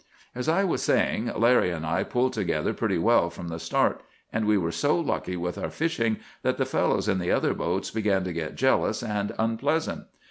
"'As I was saying, Larry and I pulled together pretty well from the start, and we were so lucky with our fishing that the fellows in the other boats began to get jealous and unpleasant.